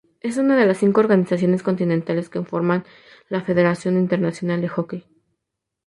Es una de las cinco organizaciones continentales que conforman la Federación Internacional de Hockey.